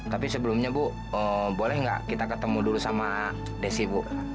tapi sebelumnya bu boleh nggak kita ketemu dulu sama desi bu